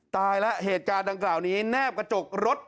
ตายแล้วเหตุการณ์ดังกล่าวนี้แนบกระจกรถ